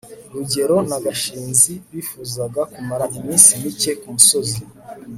rugeyo na gashinzi bifuzaga kumara iminsi mike kumusozi